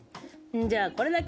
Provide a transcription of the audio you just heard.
じゃ、これだけ。